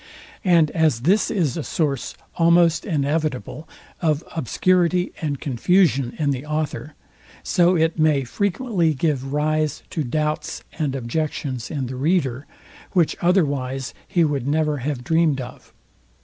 And as this is a source almost inevitable of obscurity and confusion in the author; so it may frequently give rise to doubts and objections in the reader, which otherwise he would never have dreamed of.